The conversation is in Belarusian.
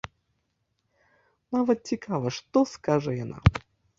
Нават цікава, што скажа яна.